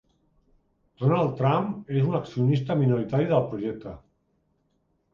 Donald Trump és un accionista minoritari del projecte.